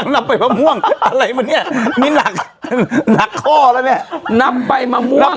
นับไปมะม่วงอะไรมันเนี้ยนี่หนักหนักข้อแล้วเนี้ยนับไปมะม่วง